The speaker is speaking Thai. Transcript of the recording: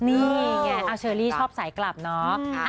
นี่ไงเชอรี่ชอบสายกลับนะ